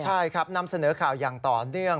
ใช่ครับนำเสนอข่าวอย่างต่อเนื่อง